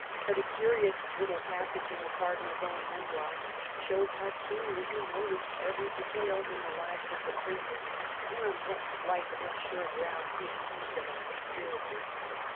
But a curious little passage in the Cardinal's own Memoirs shows how keenly he noticed every detail in the lives of the princes, and on what slight if sure grounds he accused them of conspiracy.